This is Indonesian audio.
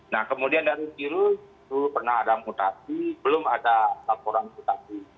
nah kemudian dari virus itu pernah ada mutasi belum ada laporan mutasi